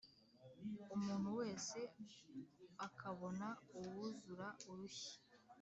umuntu wese akabona uwuzura urushyi